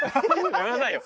やめなさいよ。